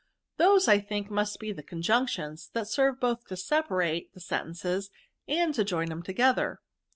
S86 v£aBs. ^^Those^ I thinks must bethe Conjnnetioiis, that serve both to separate the sentences and to join them together.